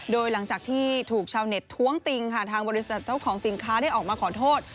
โดยหลังจากที่ถูกชาวเน็ตท้วงติงค่ะทางบริษัทเจ้าของสินค้าได้ออกมาขอโทษ